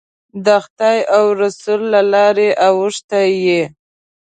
د خدای او رسول له لارې اوښتی یې.